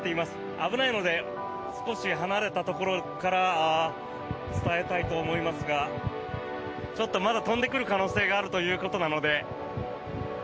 危ないので少し離れたところから伝えたいと思いますがちょっとまだ飛んでくる可能性があるということなので。